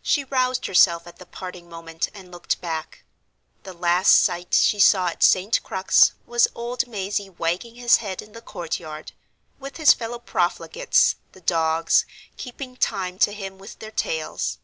She roused herself at the parting moment and looked back. The last sight she saw at St. Crux was old Mazey wagging his head in the courtyard, with his fellow profligates, the dogs, keeping time to him with their tails.